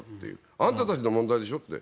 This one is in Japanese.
あんたたちの問題でしょって。